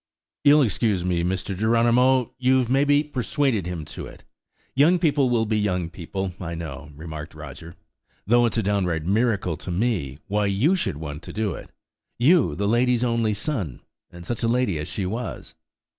"You'll excuse me, Mr. Geronimo; you've, maybe, persuaded him to it. Young people will be young people, I know," remarked Roger; "though it's a downright miracle to me why you should want to do it–you, the lady's only son; and such a lady as she was!"